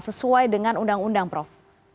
sesuai dengan undang undang prof